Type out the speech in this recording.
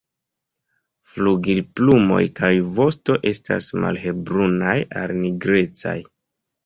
Flugilplumoj kaj vosto estas malhelbrunaj al nigrecaj.